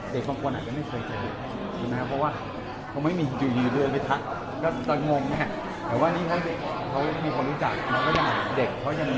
ทำไมเขาไม่ให้มีคุณหยุดเรือไปจัดและงง